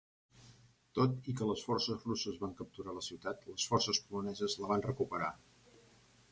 Tot i que les forces russes van capturar la ciutat, les forces poloneses la van recuperar.